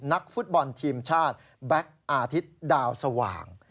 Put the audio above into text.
นักฟุตบอลทีมชาติแบ็คอาทิตย์ดาวสว่าง